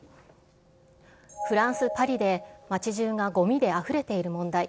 フランス・パリで、街じゅうがごみであふれている問題。